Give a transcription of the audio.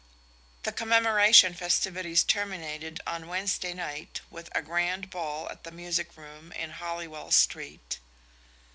The Commemoration festivities terminated on Wednesday night with a grand ball at the Music Room in Holywell Street.